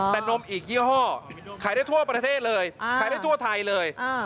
แต่นมอีกยี่ห้อขายได้ทั่วประเทศเลยขายได้ทั่วไทยเลย